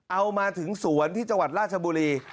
เอามาถึงสวนที่จังหวัดราชบุรี